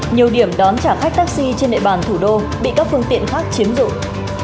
nhiều điểm đón trả khách taxi trên nệ bàn thủ đô bị các phương tiện khác chiếm dụng